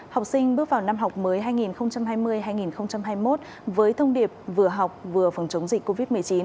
học sinh bước vào năm học mới hai nghìn hai mươi hai nghìn hai mươi một với thông điệp vừa học vừa phòng chống dịch covid một mươi chín